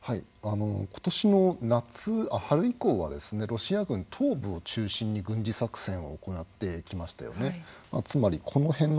今年の春以降はロシア軍東部を中心に軍事作戦を行ってきましたよね。